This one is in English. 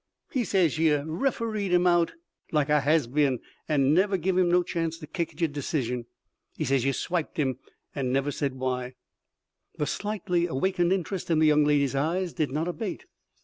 He says yer refereed him out like a has been, and never give him no chance to kick at de decision. He says yer swiped him, and never said why." The slightly awakened interest in the young lady's eyes did not abate.